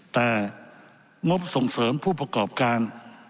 แต่งบส่งเสริมผู้ประกอบการ